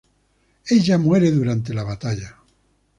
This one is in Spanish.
Ella muere durante la batalla.